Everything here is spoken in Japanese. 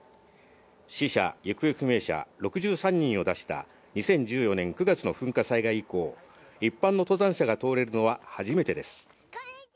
死者・行方不明者６３人を出した２０１４年９月の噴火災害以降、一般の登山者が通れるのは初めてです。